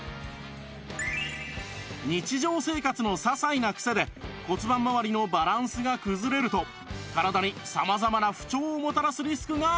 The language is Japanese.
日常生活のささいなクセで骨盤まわりのバランスが崩れると体に様々な不調をもたらすリスクがあるんです